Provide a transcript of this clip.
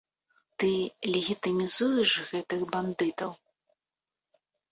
Ты легітымізуеш гэтых бандытаў!